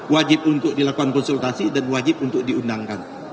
wajib untuk dilakukan konsultasi dan wajib untuk diundangkan